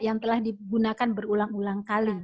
yang telah digunakan berulang ulang kali